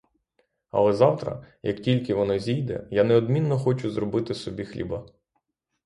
Але завтра, як тільки воно зійде, я неодмінно хочу зробити собі хліба.